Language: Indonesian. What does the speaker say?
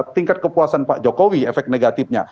tingkat kepuasan pak jokowi efek negatifnya